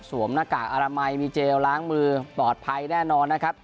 หน้ากากอนามัยมีเจลล้างมือปลอดภัยแน่นอนนะครับ